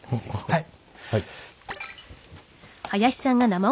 はい。